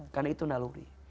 karena itu naluri